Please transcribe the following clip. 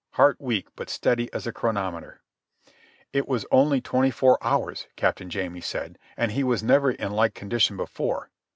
Heart weak, but steady as a chronometer." "It's only twenty four hours," Captain Jamie said, "and he was never in like condition before."